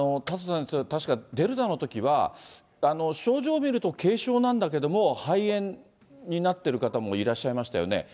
田里先生、確か、デルタのときは、症状を見ると軽症なんだけれども、肺炎になってる方もいらっしゃいましたよね。